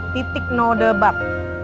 titik no debat